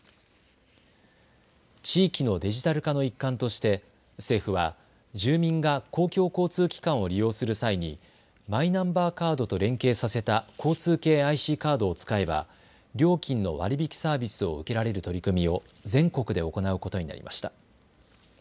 地域のデジタル化の一環として政府は住民が公共交通機関を利用する際にマイナンバーカードと連携させた交通系ＩＣカードを使えば料金の割り引きサービスを受けられる取り組みを全国で行うことになりました。